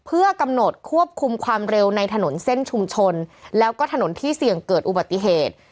เพื่อกำหนดควบคุมความเร็วในถนนเส้นชุมชนแล้วก็ถนนที่เสี่ยงเกิดอุบัติเหตุ